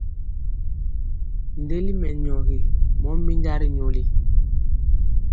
Ndeli mɛnyɔgi mɔ minja ri nyoli.